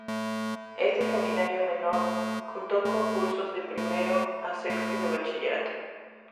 Este seminario menor contó con cursos de primero a sexto de bachillerato.